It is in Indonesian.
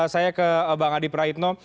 saya ke bang adi praitno